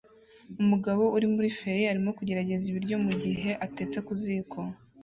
Umugabo uri muri feri arimo kugerageza ibiryo mugihe atetse ku ziko